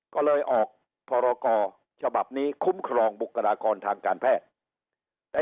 ก็เลยออกพรกรฉบับนี้คุ้มครองบุคลากรทางการแพทย์